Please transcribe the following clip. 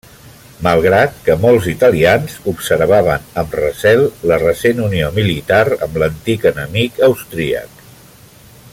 Malgrat que molts italians observaven amb recel la recent unió militar amb l'antic enemic austríac.